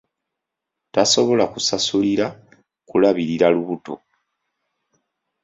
Tasobola kusasulira kulabirira lubuto.